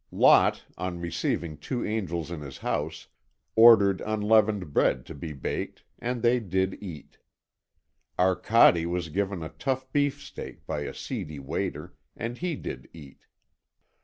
Lot, on receiving two angels in his house, ordered unleavened bread to be baked, and they did eat. Arcade was given a tough beef steak by a seedy waiter, and he did eat.